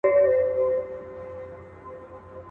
کندهار مي د بابا په قباله دی.